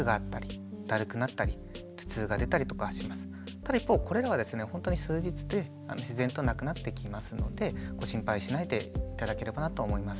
ただ一方これらはですねほんとに数日で自然となくなってきますのでご心配しないで頂ければなと思います。